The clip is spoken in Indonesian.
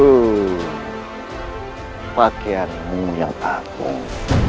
itu pakaianmu yang agung